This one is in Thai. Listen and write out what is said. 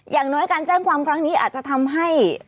อย่างน้อยการแจ้งความครั้งนี้อาจจะทำให้